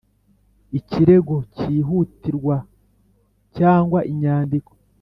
ikirego cyihutirwa cyangwa inyandiko